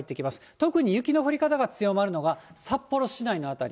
特に雪の降り方が強まるのは、札幌市内の辺り。